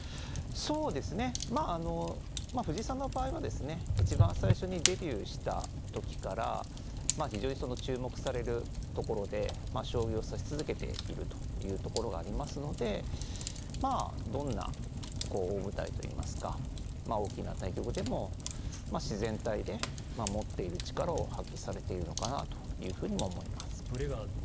そうですねまあ、藤井さんの場合はいちばん最初にデビューしたときから非常に注目されるところで将棋を指し続けているというところがありますのでまあ、どんな大舞台といいますか大きな対局でも自然体で持っている力を発揮されているのかなというふうにも思います。